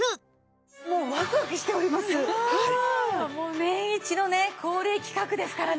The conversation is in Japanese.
年イチのね恒例企画ですからね。